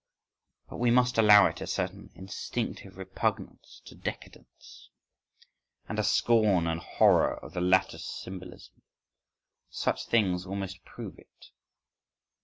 But we must allow it a certain instinctive repugnance to décadents, and a scorn and horror of the latter's symbolism: such things almost prove it.